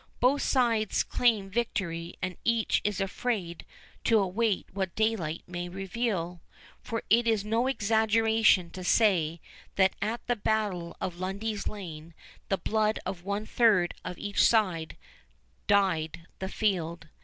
Both sides claim victory, and each is afraid to await what daylight may reveal; for it is no exaggeration to say that at the battle of Lundy's Lane the blood of one third of each side dyed the field.